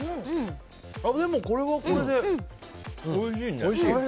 でも、これはこれでおいしいね。